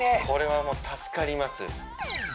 これはもう助かります